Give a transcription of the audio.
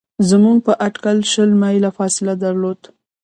زموږ په اټکل شل میله فاصله درلوده.